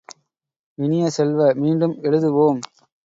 இனிய செல்வ, மீண்டும் எழுதுவோம்!